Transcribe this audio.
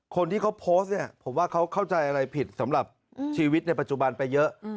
คนที่เขาโพสต์เนี่ยผมว่าเขาเข้าใจอะไรผิดสำหรับชีวิตในปัจจุบันไปเยอะ